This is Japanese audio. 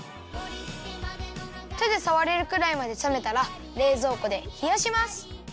てでさわれるくらいまでさめたられいぞうこでひやします。